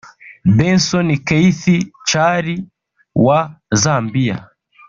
Benson Keith Chali wa Zambia